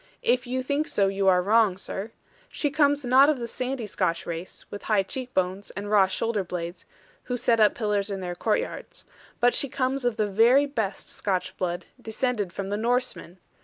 If you think so you are wrong, sir. She comes not of the sandy Scotch race, with high cheek bones, and raw shoulder blades, who set up pillars in their courtyards. But she comes of the very best Scotch blood, descended from the Norsemen.